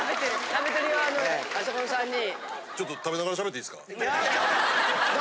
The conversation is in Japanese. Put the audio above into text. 食べてるよあそこの３人。